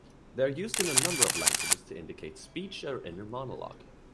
They are used in a number of languages to indicate speech or inner monologue.